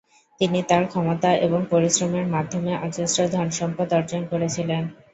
তিনি তার ক্ষমতা এবং পরিশ্রমের মাধ্যমে অজস্র ধন সম্পদ অর্জন করেছিলেন।